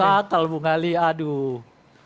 mas ali aduh